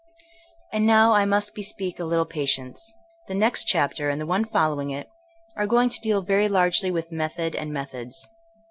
And now I must bespeak a little patience. The next chapter, and the one following it, are going to deal very largely with method and methods.